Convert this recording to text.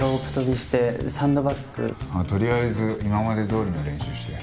とりあえず今までどおりの練習して。